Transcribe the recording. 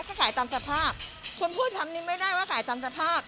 ก็ขายตามสภาพคุณพูดคำนี้ไม่ได้ว่าขายตามสภาพ